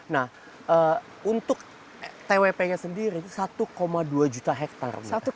nah untuk twp nya sendiri itu satu dua juta hektare